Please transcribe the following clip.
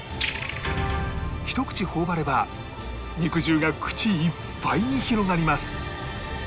ひと口頬張れば肉汁が口いっぱいに広がります